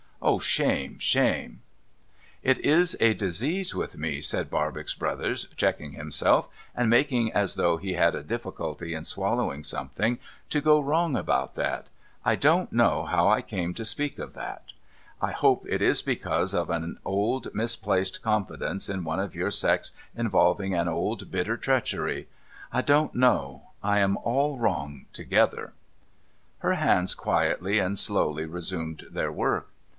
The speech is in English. Oh, shame, shame !'' It is a disease with me,' said Barbox Brothers, checking himself, and making as though he had a difficulty in swallowing something, ' to go wrong about that. I don't know how I came to speak of that. I hope it is because of an old misplaced confidence in one of your sex involving an old bitter treachery. I don't know. I am all wrong together.' Her hands quietly and slowly resumed their work.